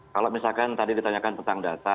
kalau misalkan tadi ditanyakan tentang data